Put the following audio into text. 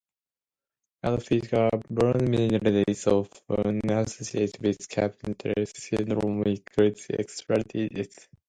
Other physical abnormalities often associated with Carpenter Syndrome include extra digits.